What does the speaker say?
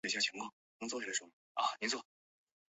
高山龙胆